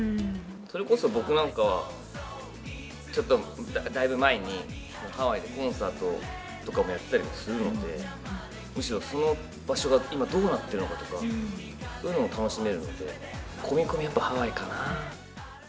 それこそ僕なんかは、ちょっとだいぶ前に、ハワイでコンサートとかもやってたりもするので、むしろ、その場所が今どうなってるのかとか、そういうのを楽しめるので、こみこみやっぱハワイかな。